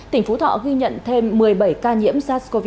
tỉnh phú thọ ghi nhận thêm một mươi bảy ca nhiễm sars cov hai